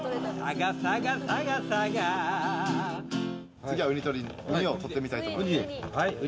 次はウニをとってみたいと思います。